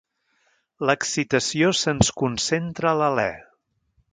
L'excitació se'ns concentra a l'alè.